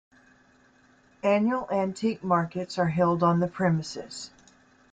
Annual antique markets are held on the premises.